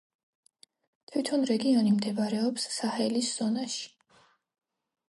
თვითონ რეგიონი მდებარეობს საჰელის ზონაში.